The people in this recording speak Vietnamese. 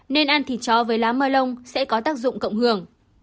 nên ăn thịt chó với lá mơ lông sẽ có tác dụng cộng hưởng